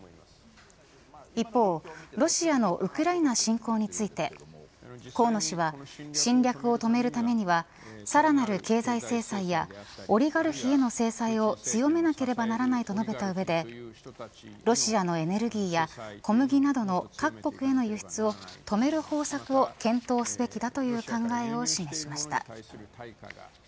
一方ロシアのウクライナ侵攻について河野氏は侵略を止めるためにはさらなる経済制裁やオリガルヒへの制裁を強めなければならないと述べた上でロシアのエネルギーや小麦などの各国への輸出を止める方策を検討すべきだという考えを示しました。